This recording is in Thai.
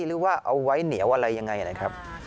หรือว่าเอาไว้เหนียวอะไรยังไงนะครับ